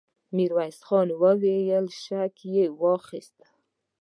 ميرويس خان وويل: شک يې واخيست!